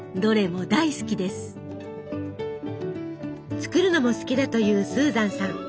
作るのも好きだというスーザンさん。